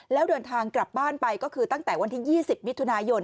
แล้วเดินทางกลับบ้านไปก็คือตั้งแต่วันที่๒๐มิถุนายน